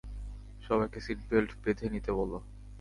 সবাইকে seat belt বেঁধে নিতে বলো।